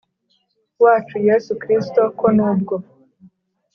wacu Yesu Kristo ko nubwo